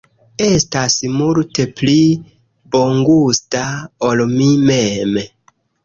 Estas multe pli bongusta ol mi mem